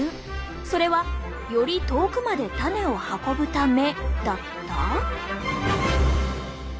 それはより遠くまで種を運ぶためだった？